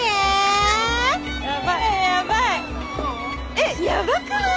えっやばくない？